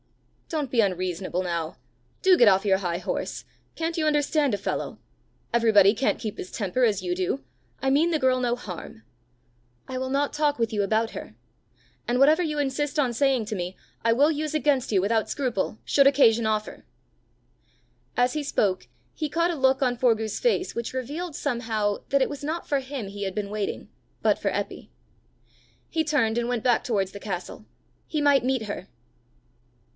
"Don't be unreasonable, now! Do get off your high horse. Can't you understand a fellow? Everybody can't keep his temper as you do! I mean the girl no harm." "I will not talk with you about her. And whatever you insist on saying to me, I will use against you without scruple, should occasion offer." As he spoke he caught a look on Forgue's face which revealed somehow that it was not for him he had been waiting, but for Eppy. He turned and went back towards the castle: he might meet her!